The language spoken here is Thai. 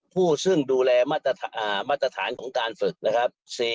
ผู้ซึ่งดูแลมาตรฐานของการฝึกนะครับ